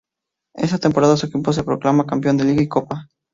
Esa temporada su equipo se proclama campeón de Liga y Copa.